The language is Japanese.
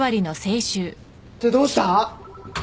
ってどうした！？